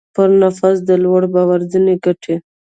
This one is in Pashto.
پر نفس د لوړ باور ځينې ګټې.